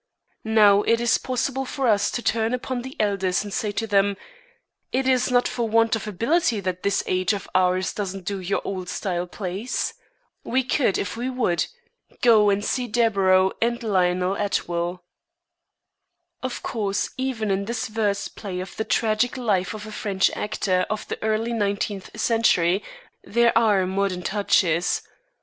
Now, it is possible for us to turn upon the elders and to say to them: "It is not for want of ability that this age of ours doesn't do your old style plays. We could if we would. Go and see Deburau and Lionel Atwill." Of course, even in this verse play of the tragic life of a French actor of the early nineteenth century there are modern touches.